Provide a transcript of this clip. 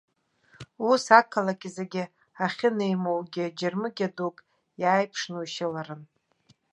Ус ақалақь зегь ахьынеимоугьы џьармыкьа дук иааиԥшнушьаларын.